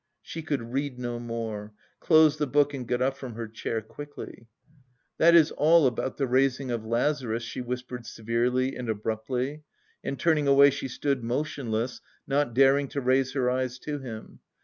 She could read no more, closed the book and got up from her chair quickly. "That is all about the raising of Lazarus," she whispered severely and abruptly, and turning away she stood motionless, not daring to raise her eyes to him.